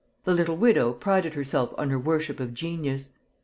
The little widow prided herself on her worship of genius.